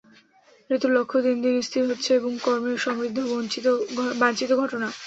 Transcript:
ঋতুর লক্ষ্য দিন দিন স্থির হচ্ছে এবং কর্মে সমৃদ্ধিও বাঞ্ছিত ঘটনা।